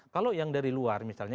kalau yang dari luar misalnya